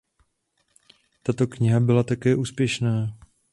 Tato kniha byla také úspěšná.